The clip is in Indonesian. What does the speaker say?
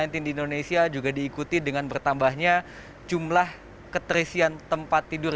di indonesia juga diikuti dengan bertambahnya jumlah keterisian tempat tidur